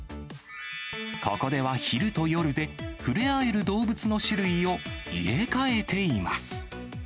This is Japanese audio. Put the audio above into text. ここでは昼と夜で、触れ合える動物の種類を入れ替えています。